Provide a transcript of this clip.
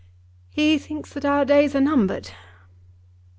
"He thinks that our days are numbered."